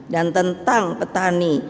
dan tentang petani